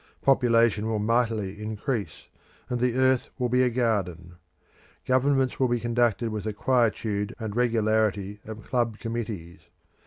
Population will mightily increase, and the earth will be a garden. Governments will be conducted with the quietude and regularity of club committees.